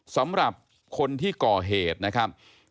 สำหรับคนที่ก่อเหตุนะครับ